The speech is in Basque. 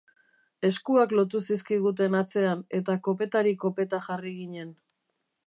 Eskuak lotu zizkiguten atzean, eta kopetari kopeta jarri ginen.